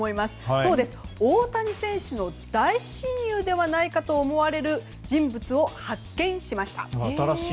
そうです、大谷選手の大親友ではないかと思われる人物を発見しました。